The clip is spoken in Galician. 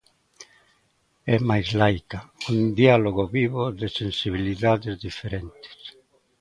É máis laica, un diálogo vivo de sensibilidades diferentes.